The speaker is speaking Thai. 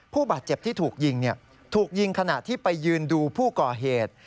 ผู้บาดเจ็บที่ถูกยิงถูกยิงขณะที่ไปยืนดูผู้ก่อเหตุ